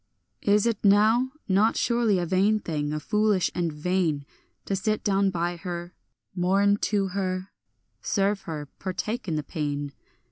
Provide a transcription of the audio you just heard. Is it now not surely a vain thing, a foolish and vain, To sit down by her, mourn to her, serve her, partake in the pain?